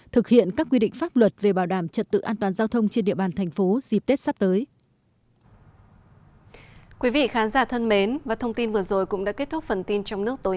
thực hiện các quy định pháp luật về bảo đảm trật tự an toàn giao thông trên địa bàn thành phố dịp tết sắp tới